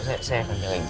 saya akan jalanin